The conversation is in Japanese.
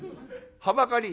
「はばかり」。